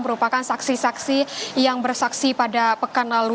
merupakan saksi saksi yang bersaksi pada pekan lalu